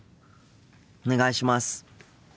お願いします。